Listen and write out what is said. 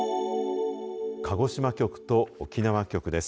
鹿児島局と沖縄局です。